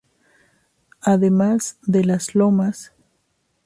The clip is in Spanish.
Además de Las Lomas.